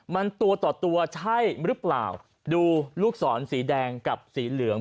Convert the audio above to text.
มันตัวต่อตัวใช่หรือเปล่าดูลูกศรสีแดงกับสีเหลือง